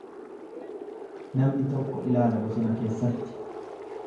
Namni tokko ilaala bosona keessatti.